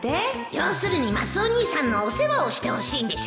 要するにマスオ兄さんのお世話をしてほしいんでしょ？